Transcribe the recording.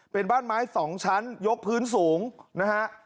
เป็นบ้านไม้๒ชั้นยกพื้นสูงนะฮะ